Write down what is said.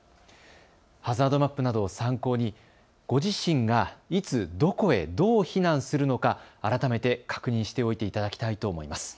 ハザードマップなどを参考にご自身が、いつ、どこへ、どう避難するのか改めて確認しておいていただきたいと思います。